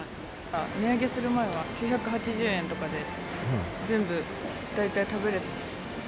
値上げする前は９８０円とかで全部、大体食べられた。